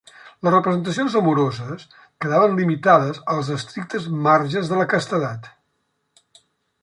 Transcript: Les representacions amoroses quedaven limitades als estrictes marges de la castedat.